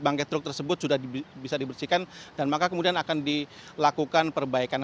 bangkai truk tersebut sudah bisa dibersihkan dan maka kemudian akan dilakukan perbaikan